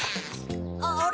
あれ？